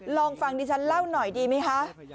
ลองฟังดิฉันเล่าหน่อยดีไหมคะ